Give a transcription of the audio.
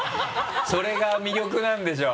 それが魅力なんでしょ。